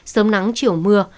sớm nắng chiều mưa